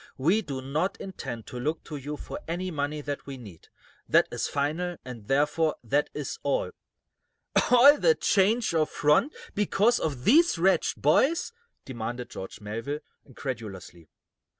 "We do not intend to look to you for any money that we need. That is final, and, therefore, that is all." "All this change of front because of these wretched boys?" demanded George Melville, incredulously.